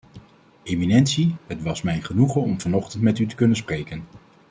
Eminentie, het was mij een genoegen om vanochtend met u te kunnen spreken.